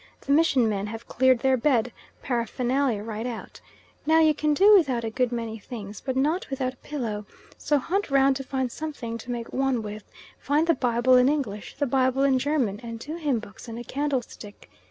The mission men have cleared their bed paraphernalia right out. Now you can do without a good many things, but not without a pillow, so hunt round to find something to make one with; find the Bible in English, the Bible in German, and two hymn books, and a candle stick.